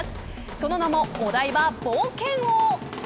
その名もお台場冒険王。